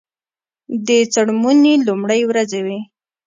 د څوړموني لومړی ورځې وې.